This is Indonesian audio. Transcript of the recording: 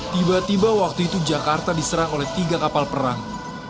tiba tiba waktu itu jakarta diserang oleh tiga kapal perang